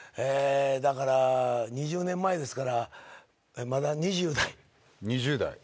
えだから２０年前ですからまだ２０代？